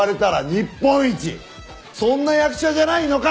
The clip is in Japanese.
そんな役者じゃないのか？